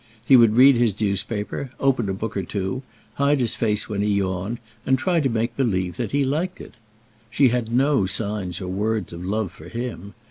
He would read his newspaper, open a book or two, hide his face when he yawned, and try to make believe that he liked it. She had no signs or words of love for him.